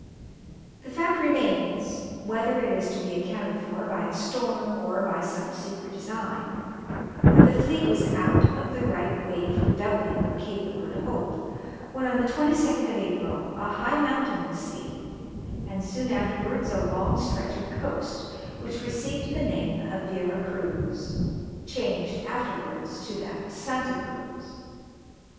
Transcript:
The fact remains, whether it is to be accounted for by a storm or by some secret design, that the fleet was out of the right way for doubling the Cape of Good Hope when, on the 22nd of April, a high mountain was seen, and soon afterwards a long stretch of coast, which received the name of Vera Cruz, changed afterwards to that of Santa Cruz.